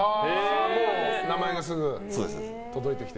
名前がすぐ届いてきて。